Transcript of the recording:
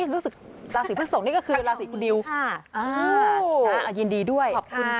ราศีพึกศกนี่ก็คือราศีคุณดิวค่ะยินดีด้วยขอบคุณค่ะ